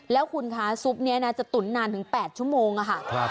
แล้วคุณคะซุปนี้นะจะตุ๋นนานถึง๘ชั่วโมงค่ะ